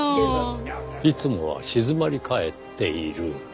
いつもは静まり返っている。